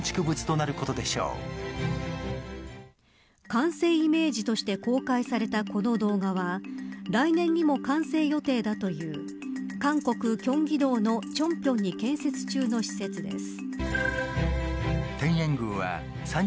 完成イメージとして公開されたこの動画は来年にも完成予定だという韓国、京畿道の清平に建設中の施設です。